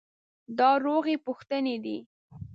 دا روغې پوښتنې دي.